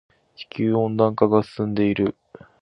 地球温暖化が進んでいる。